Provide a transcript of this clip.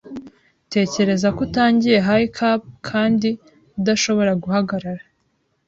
Tekereza ko utangiye hiccup kandi udashobora guhagarara.